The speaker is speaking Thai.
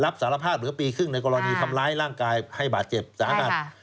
รับสารภาพเหลือปีครึ่งในกรณีคำล้ายร่างกายให้บาดเจ็บ๓บัตร